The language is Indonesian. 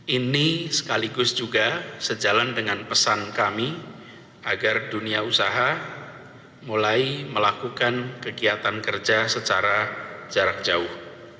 ini sekaligus juga sejalan dengan pesan kami agar dunia usaha mulai melakukan kegiatan kerja secara jarak jauh